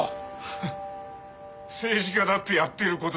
フッ政治家だってやってる事じゃないか。